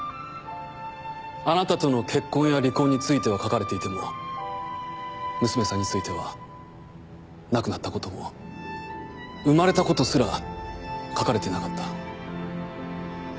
あなたとの結婚や離婚については書かれていても娘さんについては亡くなったことも生まれたことすら書かれていなかった。